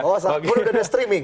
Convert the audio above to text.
oh saya pun sudah streaming